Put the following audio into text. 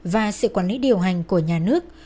và sự quản lý điều hành của nhà nước